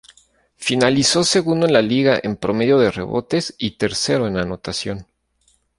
Finalizó segundo en la liga en promedio de rebotes y tercero en anotación.